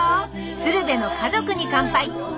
「鶴瓶の家族に乾杯」